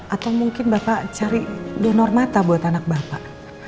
atau mungkin bapak cari donor mata buat anak bapak